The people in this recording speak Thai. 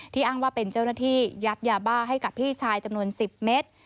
อ้างว่าเป็นเจ้าหน้าที่ยัดยาบ้าให้กับพี่ชายจำนวน๑๐เมตร